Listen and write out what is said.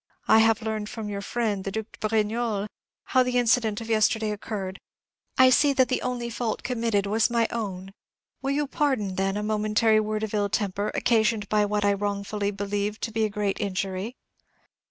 I have learned from your friend the Duc de Brignolles how the incident of yesterday occurred. I see that the only fault committed was my own. Will you pardon, then, a momentary word of ill temper, occasioned by what I wrongfully believed to be a great injury?"